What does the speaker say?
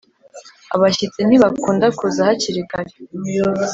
abashyitsi ntibakunda kuza hakiri kare